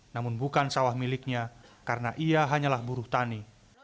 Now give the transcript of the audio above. namun bukan sawah miliknya karena ia hanyalah buruh tani